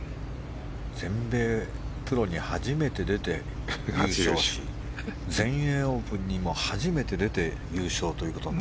全米プロに初めて出て優勝し全英オープンにも初めて出て優勝ということに。